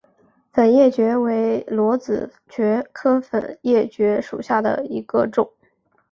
粉叶蕨为裸子蕨科粉叶蕨属下的一个种。